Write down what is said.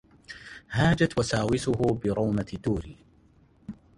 هاجت وساوسه برومة دور